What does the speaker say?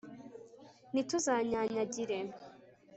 ntituzanyanyagire